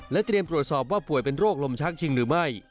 เตรียมตรวจสอบว่าป่วยเป็นโรคลมชักชิงหรือไม่